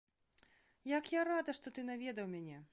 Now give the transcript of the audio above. Як я рада, што ты наведаў мяне!